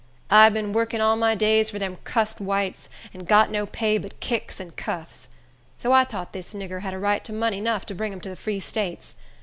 I'd bin workin all my days fur dem cussed whites, an got no pay but kicks and cuffs. So I tought dis nigger had a right to money nuff to bring him to de Free States.